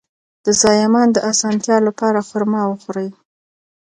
د زایمان د اسانتیا لپاره خرما وخورئ